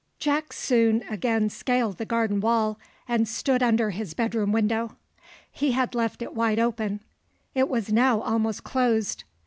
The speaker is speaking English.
Jack soon again scaled the garden wall, and stood under his bedroom window. He had left it wide open; it was now almost closed.